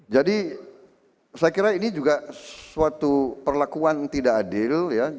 jadi saya kira ini juga suatu perlakuan tidak adil